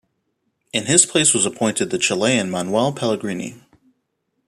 In his place was appointed the Chilean Manuel Pellegrini.